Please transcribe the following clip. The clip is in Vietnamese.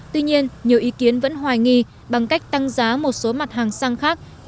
tuy nhiên nhiều ý kiến vẫn hoài nghi bằng cách tăng giá một số mặt hàng xăng khác